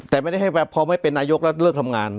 แต่ไม่ได้ให้พอไม่เป็นนายกแล้วเลิกทำงาน